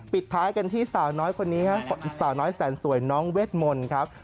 ปิดท้ายกันที่สาวน้อยสารสวยน้องเวทมนต์ครับ